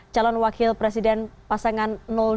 calon wakil presiden pasangan dua